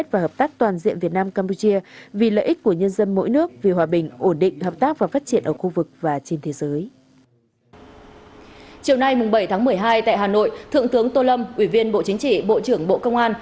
chiều nay bảy tháng một mươi hai tại hà nội thượng tướng tô lâm ủy viên bộ chính trị bộ trưởng bộ công an